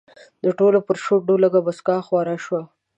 د ټولو پر شونډو لږه موسکا خوره شوه.